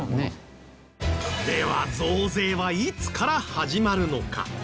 では増税はいつから始まるのか？